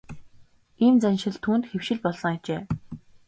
Ийм заншил түүнд хэвшил болсон ажээ.